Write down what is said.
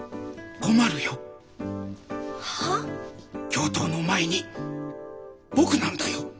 教頭の前に僕なんだよ。